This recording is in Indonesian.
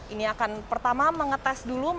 ini akan pertama mengetes dulu